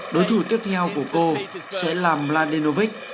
đối thủ tiếp theo của cô sẽ là mladenovic